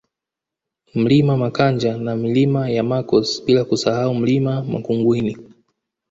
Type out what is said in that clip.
Mlima Makanja na Milima ya Makos bila kusahau Mlima Makungwini